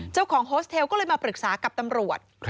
โฮสเทลก็เลยมาปรึกษากับตำรวจ